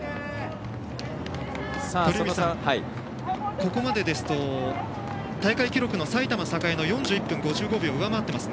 ここまでですと大会記録の埼玉栄の４１分５５秒を上回ってます。